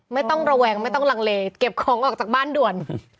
ไม่ต้องระแวงไม่ต้องลังเลเก็บของออกจากบ้านด่วน